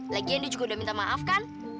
lagian dia juga udah minta maaf kan